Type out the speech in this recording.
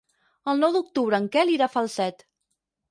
El nou d'octubre en Quel irà a Falset.